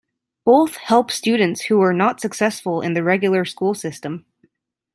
Both help students who were not successful in the regular school system.